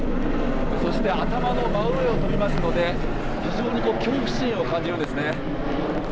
そして頭の真上を飛びますので、非常にこう、恐怖心を感じるんですね。